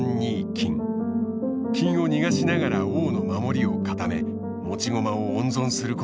金を逃がしながら王の守りを固め持ち駒を温存することもできる。